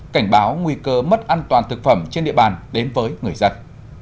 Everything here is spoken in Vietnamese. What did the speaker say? cảnh báo nguy cơ mất an toàn thực phẩm trên địa bàn đến với người dân